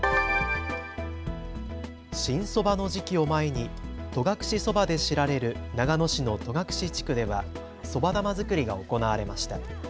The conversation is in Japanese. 新そばの時期を前に戸隠そばで知られる長野市の戸隠地区ではそば玉作りが行われました。